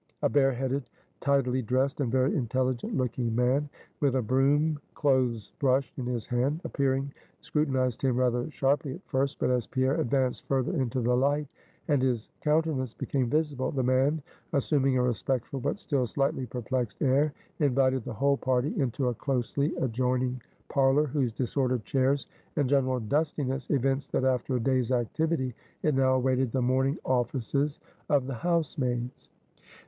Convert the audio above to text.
A bare headed, tidily dressed, and very intelligent looking man, with a broom clothes brush in his hand, appearing, scrutinized him rather sharply at first; but as Pierre advanced further into the light, and his countenance became visible, the man, assuming a respectful but still slightly perplexed air, invited the whole party into a closely adjoining parlor, whose disordered chairs and general dustiness, evinced that after a day's activity it now awaited the morning offices of the housemaids.